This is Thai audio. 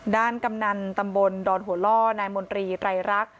ด้านกำนันตำบลดรหัวล่อนายมนตรีไรรักษ์